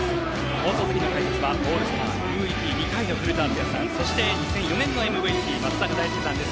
放送席の解説はオールスターＭＶＰ２回の古田敦也さんそして、２００４年のＭＶＰ松坂大輔さんです。